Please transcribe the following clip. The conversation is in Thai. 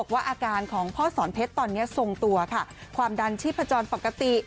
ว่าอาการของพ่อสอนเพชรตอนนี้ทรงตัวค่ะความดันชีพจรปกติ